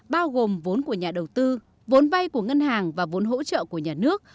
bao gồm vốn của nhà đầu tư vốn vay của ngân hàng và vốn hỗ trợ của nhà nước